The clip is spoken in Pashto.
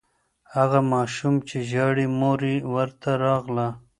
هغه ماشوم چې ژاړي، مور یې ورته راغله.